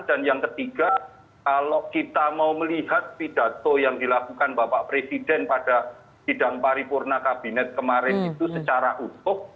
dan yang ketiga kalau kita mau melihat pidato yang dilakukan bapak presiden pada bidang paripurna kabinet kemarin itu secara utuh